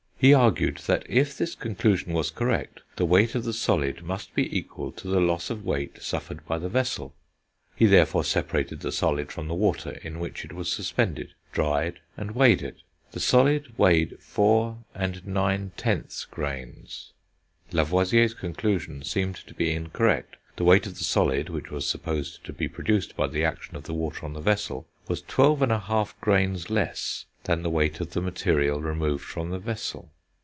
He argued that if this conclusion was correct, the weight of the solid must be equal to the loss of weight suffered by the vessel; he therefore separated the solid from the water in which it was suspended, dried, and weighed it. The solid weighed 4 9/10 grains. Lavoisier's conclusion seemed to be incorrect; the weight of the solid, which was supposed to be produced by the action of the water on the vessel, was 12 1/2 grains less than the weight of the material removed from the vessel.